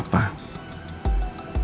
kami punya pria